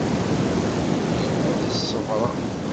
Tili ad as-ṣebreɣ.